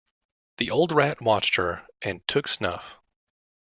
The old rat watched her, and took snuff.